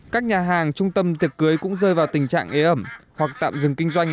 các nhà hàng trung tâm tiệc cưới cũng rơi vào tình trạng ế ẩm hoặc tạm dừng kinh doanh